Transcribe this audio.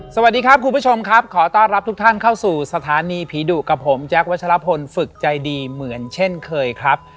สวัสดีครับคุณผู้ชมครับขอต้อนรับทุกท่านเข้าสู่สถานีผีดุกับผมแจ๊ควัชลพลฝึกใจดีเหมือนเช่นเคยครับ